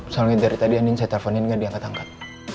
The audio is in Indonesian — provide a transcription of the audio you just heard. soalnya dari tadi anin saya teleponin gak diangkat angkat